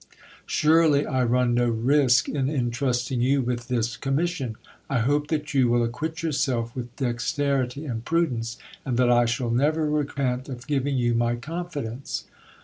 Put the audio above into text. Surely I run no risk in entrusting you with this commission. I hope that you will acquit yourself with dexterity and prudence, and that I shall never repent of giving you my confidence.